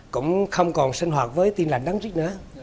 cũng không còn sinh hoạt với tin lành đấng trích nữa